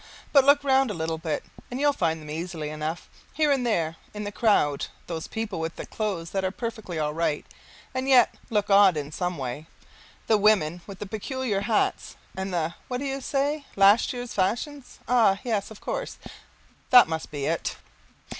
But look round a little bit and you'll find them easily enough. Here and there in the crowd those people with the clothes that are perfectly all right and yet look odd in some way, the women with the peculiar hats and the what do you say? last year's fashions? Ah yes, of course, that must be it.